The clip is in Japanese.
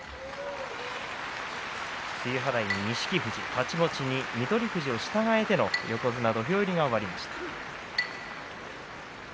露払いに錦富士太刀持ちに翠富士を従えての横綱土俵入りが終わりました。